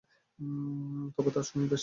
তবে তার সময় বেশ কেটে যায়।